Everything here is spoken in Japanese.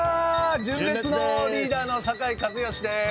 純烈のリーダーの酒井一圭です。